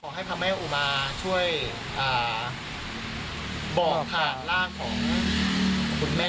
ขอให้พระแม่อุมาช่วยบ่นฐานร่างของคุณแม่น้ิบ